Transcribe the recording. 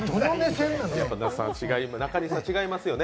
中西さんは違いますよね